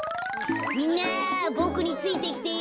みんなボクについてきて。